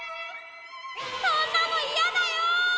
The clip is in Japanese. そんなのいやだよ！